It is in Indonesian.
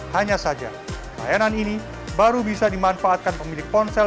hanya saja layanan ini baru bisa dimanfaatkan pemilik ponsel